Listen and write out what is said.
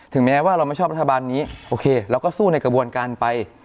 แม้ว่าเราไม่ชอบรัฐบาลนี้โอเคเราก็สู้ในกระบวนการไป